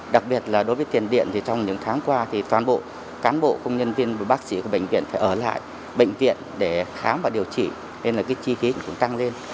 đặc biệt là đối với tiền điện thì trong những tháng qua thì toàn bộ cán bộ công nhân viên bác sĩ của bệnh viện phải ở lại bệnh viện để khám và điều trị nên là cái chi phí cũng tăng lên